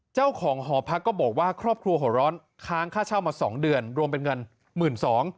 เจ้าของหอพักก็บอกว่าครอบครัวหัวร้อนค้างค่าเช่ามา๒เดือนรวมเป็นเงินหมื่นสอง